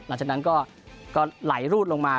หลังจากนั้นก็ไหลรูดลงมา